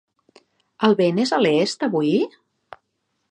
El vent és a l'est, avui?